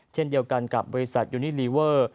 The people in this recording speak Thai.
เช่นเดียวกันกับบริษัทยูนิลีเวอร์